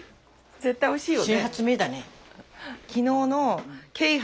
絶対おいしいよね。